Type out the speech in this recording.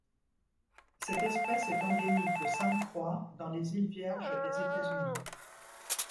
Cette espèce est endémique de Sainte-Croix dans les îles Vierges des États-Unis.